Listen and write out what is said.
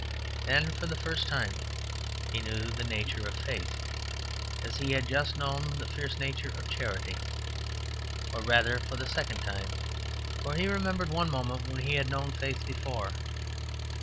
Then for the first time he knew the nature of faith, as he had just known the fierce nature of charity. Or rather for the second time, for he remembered one moment when he had known faith before.